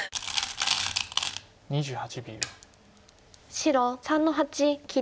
白３の八切り。